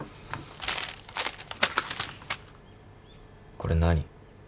これ何？